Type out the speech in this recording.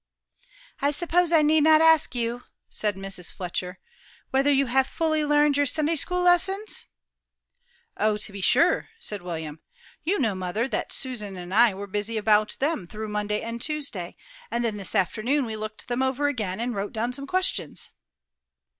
"I suppose I need not ask you," said Mrs. Fletcher, "whether you have fully learned your Sunday school lessons?" "Oh, to be sure," said William. "You know, mother, that Susan and I were busy about them through Monday and Tuesday, and then this afternoon we looked them over again, and wrote down some questions."